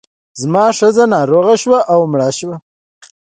زما ښځه ناروغه شوه او مړه شوه.